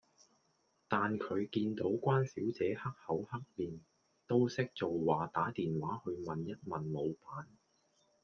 但佢見到關小姐黑口黑面，都識做話打電話去問一問老闆